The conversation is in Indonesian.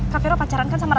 kak fero pacaran kan sama rara